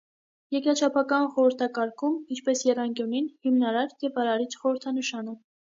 Երկրաչափական խորհրդակարգում, ինչպես եռանկյունին, հիմնարար և արարիչ խորհրդանշան է։